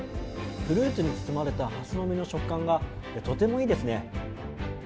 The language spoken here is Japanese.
フルーツに包まれた蓮の実の食感がとてもいいですね。